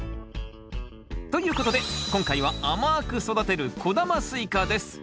ということで今回は甘く育てる小玉スイカです。